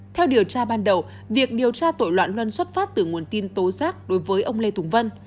theo điều tra ban đầu việc điều tra tội loạn luân xuất phát từ nguồn tin tố giác đối với ông lê tùng vân